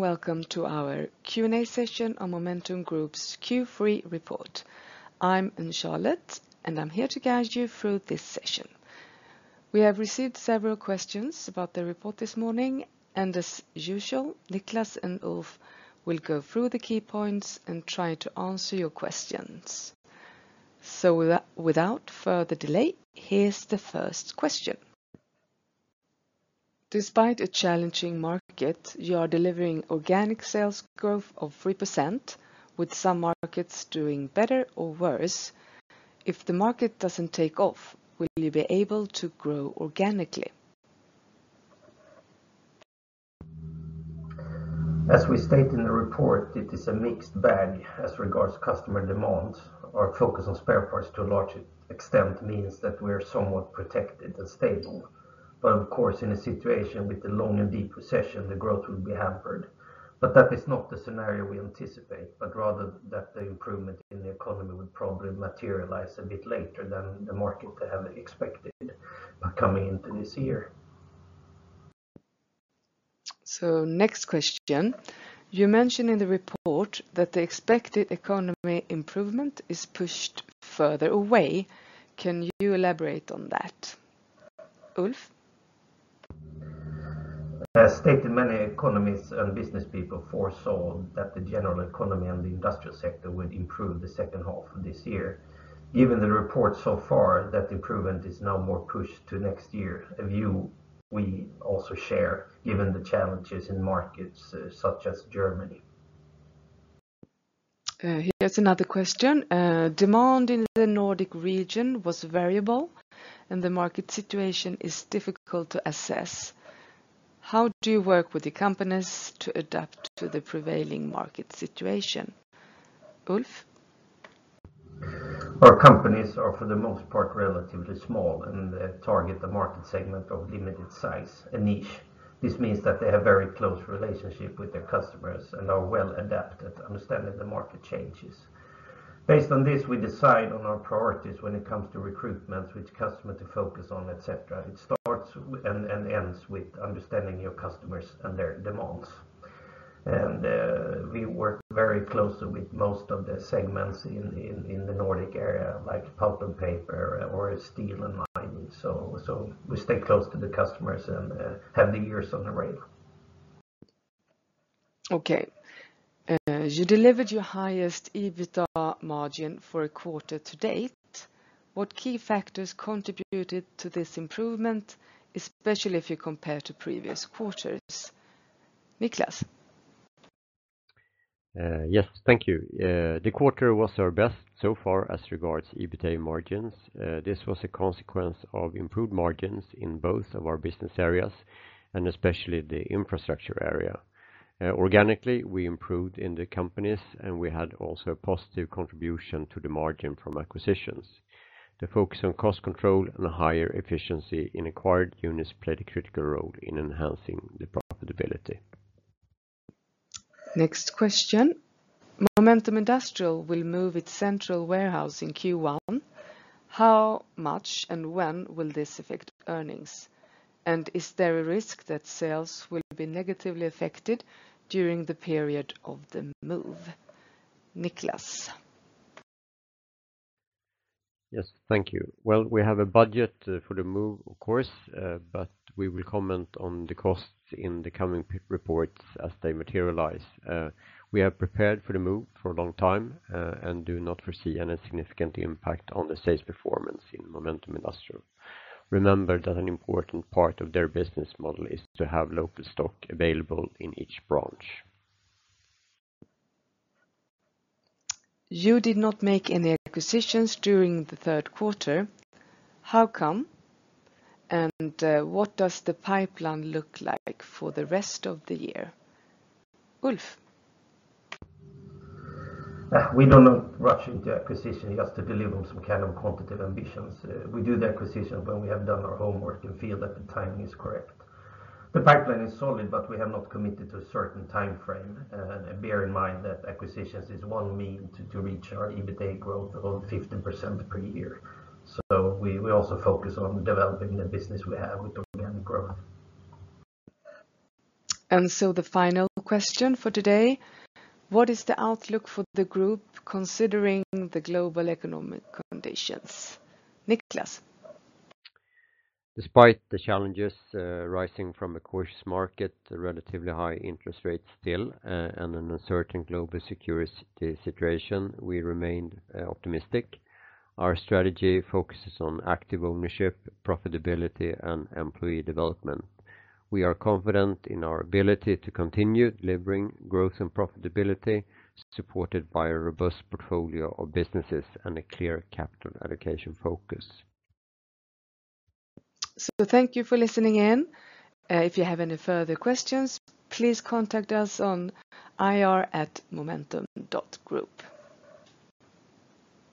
Welcome to our Q&A session on Momentum Group's Q3 report. I'm Charlotte, and I'm here to guide you through this session. We have received several questions about the report this morning, and as usual, Niklas and Ulf will go through the key points and try to answer your questions. Without further delay, here's the first question. Despite a challenging market, you are delivering organic sales growth of 3%, with some markets doing better or worse. If the market doesn't take off, will you be able to grow organically? As we state in the report, it is a mixed bag as regards customer demands. Our focus on spare parts to a large extent means that we are somewhat protected and stable. Of course, in a situation with a long and deep recession, the growth will be hampered. That is not the scenario we anticipate, but rather that the improvement in the economy would probably materialize a bit later than the market had expected coming into this year. Next question. You mentioned in the report that the expected economy improvement is pushed further away. Can you elaborate on that? Ulf? As stated, many economies and business people foresaw that the general economy and the industrial sector would improve the second half of this year. Given the report so far, that improvement is now more pushed to next year, a view we also share given the challenges in markets such as Germany. Here's another question. Demand in the Nordic region was variable, and the market situation is difficult to assess. How do you work with the companies to adapt to the prevailing market situation? Ulf? Our companies are, for the most part, relatively small, and they target the market segment of limited size, a niche. This means that they have very close relationship with their customers and are well adapted to understanding the market changes. Based on this, we decide on our priorities when it comes to recruitment, which customer to focus on, et cetera. It starts and ends with understanding your customers and their demands. We work very closely with most of the segments in the Nordic area, like pulp & paper or steel and mining. We stay close to the customers and have the ears on the rail. Okay. You delivered your highest EBITA margin for a quarter to date. What key factors contributed to this improvement, especially if you compare to previous quarters? Niklas? Yes, thank you. The quarter was our best so far as regards EBITA margins. This was a consequence of improved margins in both of our business areas and especially the infrastructure area. Organically, we improved in the companies, and we had also a positive contribution to the margin from acquisitions. The focus on cost control and higher efficiency in acquired units played a critical role in enhancing the profitability. Next question. Momentum Industrial will move its central warehouse in Q1. How much and when will this affect earnings? Is there a risk that sales will be negatively affected during the period of the move? Niklas? Yes, thank you. Well, we have a budget for the move, of course, but we will comment on the costs in the coming reports as they materialize. We are prepared for the move for a long time, and do not foresee any significant impact on the sales performance in Momentum Industrial. Remember that an important part of their business model is to have local stock available in each branch. You did not make any acquisitions during the third quarter. How come? What does the pipeline look like for the rest of the year? Ulf? We do not rush into acquisition just to deliver on some kind of quantitative ambitions. We do the acquisition when we have done our homework and feel that the timing is correct. The pipeline is solid, but we have not committed to a certain timeframe. Bear in mind that acquisitions is one mean to reach our EBITA growth of 15% per year. We also focus on developing the business we have with organic growth. The final question for today: What is the outlook for the group, considering the global economic conditions? Niklas? Despite the challenges rising from a cautious market, relatively high interest rates still, and an uncertain global security situation, we remain optimistic. Our strategy focuses on active ownership, profitability, and employee development. We are confident in our ability to continue delivering growth and profitability, supported by a robust portfolio of businesses and a clear capital allocation focus. Thank you for listening in. If you have any further questions, please contact us on ir@momentum.group.